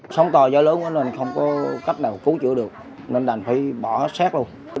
sống tòa gió lớn nên không có cách nào cứu chữa được nên đàn phải bỏ xét luôn